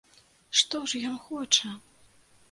Што ж ён хоча?